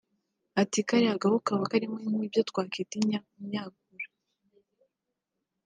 Ati “Kariya gahu kaba karimo nk’ibyo twakwita imyakura